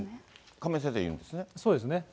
亀井先生、そうですね。